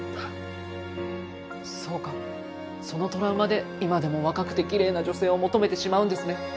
そうかそのトラウマで今でも若くてきれいな女性を求めてしまうんですね。